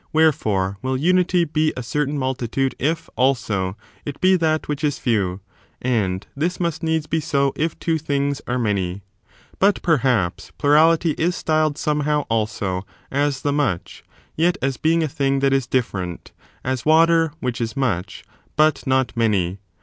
Wherefore, will unity be a certain multitude if, also, it be that which is few. And this must needs be so if two things are many. 2. Propoied io ^^^ perhaps, plurality^ is styled somehow lution of this also as the much, yet as being a thing that question. j^ different, as water, which is much, but not many.